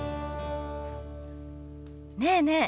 ねえねえ